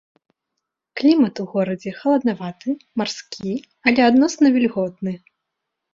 Клімат у горадзе халаднаваты, марскі, але адносна вільготны.